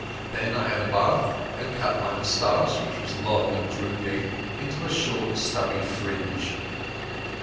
Then I had a bath, and cut my moustache, which was long and drooping, into a short stubbly fringe.